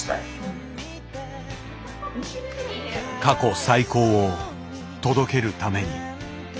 過去最高を届けるために。